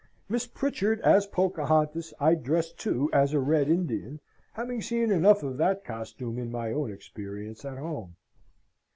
Miss Pritchard as Pocahontas, I dressed too as a Red Indian, having seen enough of that costume in my own experience at home.